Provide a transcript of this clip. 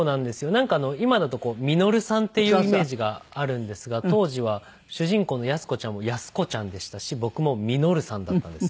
なんか今だとこう「稔さん」っていうイメージがあるんですが当時は主人公の安子ちゃんも「安子ちゃん」でしたし僕も「稔さん」だったんですよ